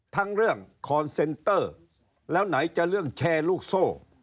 ทั้งเรื่องคอนเซนเตอร์แล้วไหนจะเรื่องแชร์ลูกโซ่